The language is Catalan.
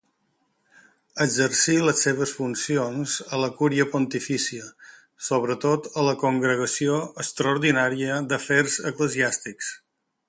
Exercí les seves funcions a la Cúria Pontifícia, sobretot a la Congregació Extraordinària d'Afers Eclesiàstics.